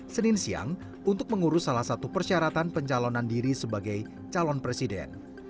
senin siang untuk mengurus salah satu persyaratan pencalonan diri sebagai calon presiden